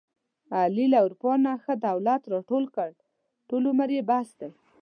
علي له اروپا نه ښه دولت راټول کړ، ټول عمر یې بس دی.